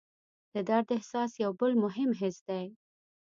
د درد احساس یو بل مهم حس دی.